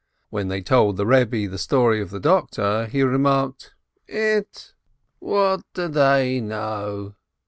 When they told the Eebbe the story of the doctor, he remarked, "Ett! what do they know?"